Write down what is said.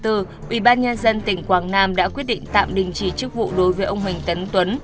ủy ban nhân dân tỉnh quảng nam đã quyết định tạm đình chỉ chức vụ đối với ông huỳnh tấn tuấn